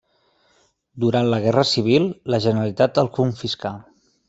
Durant la Guerra Civil, la Generalitat el confiscà.